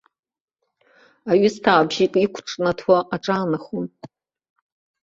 Аҩысҭаа бжьык иқәҿнаҭуа аҿаанахон.